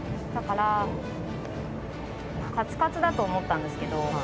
だからカツカツだと思ったんですけど。